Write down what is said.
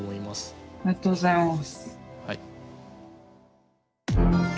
ありがとうございます。